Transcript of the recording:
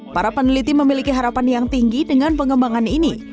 para peneliti memiliki harapan yang tinggi dengan pengembangan ini